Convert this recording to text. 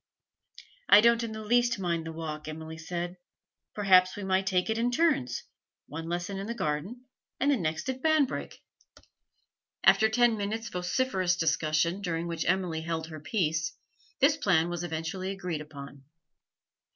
'I don't in the least mind the walk,' Emily said. 'Perhaps we might take it in turns, one lesson in the garden and the next at Banbrigg.' After ten minutes' vociferous discussion, during which Emily held her peace, this plan was eventually agreed upon.